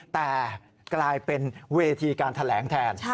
แต่กลายเป็นเวทีการแถลงแทน